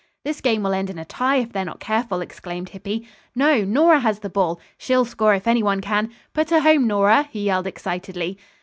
"This game will end in a tie if they're not careful," exclaimed Hippy. "No, Nora has the ball! She'll score if anyone can! Put her home, Nora!" he yelled excitedly.